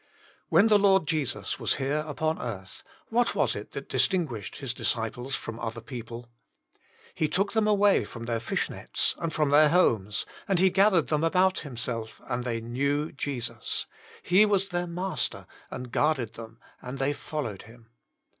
When the Lord Jesus was here upon earth, what was it that dis tinguished His disciples from other people ? He took them away from their fish nets, and from their homes, and He gathered them about Himself, and they knew Jesus. He was their Master, and guarded them, and they followed Him.